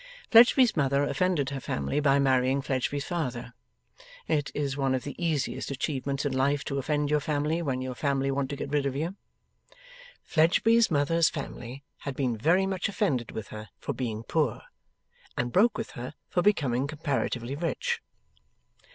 Fledgeby's mother offended her family by marrying Fledgeby's father. It is one of the easiest achievements in life to offend your family when your family want to get rid of you. Fledgeby's mother's family had been very much offended with her for being poor, and broke with her for becoming comparatively rich.